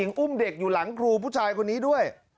เมื่อกี้มันร้องพักเดียวเลย